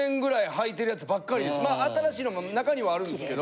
まあ新しいのも中にはあるんですけど。